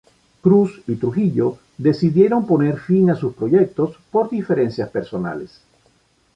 Cruz y Trujillo decidieron poner fin a sus proyectos por diferencias personales.